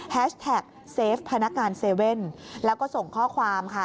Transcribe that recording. แท็กเซฟพนักงาน๗๑๑แล้วก็ส่งข้อความค่ะ